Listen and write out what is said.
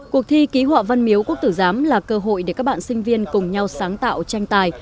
cuộc thi ký họa văn miếu quốc tử giám là cơ hội để các bạn sinh viên cùng nhau sáng tạo tranh tài